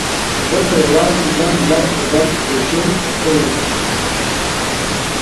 ده په یوازې ځان لر او بر کوشیر کړی و.